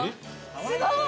すごい！